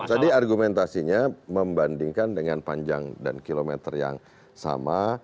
tadi argumentasinya membandingkan dengan panjang dan kilometer yang sama